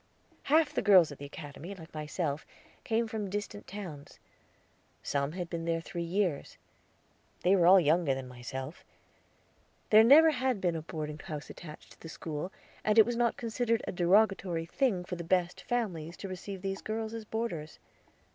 Half the girls at the Academy, like myself, came from distant towns. Some had been there three years. They were all younger than myself. There never had been a boarding house attached to the school, and it was not considered a derogatory thing for the best families to receive these girls as boarders.